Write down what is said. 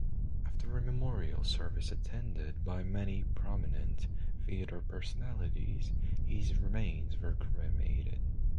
After a memorial service attended by many prominent theater personalities, his remains were cremated.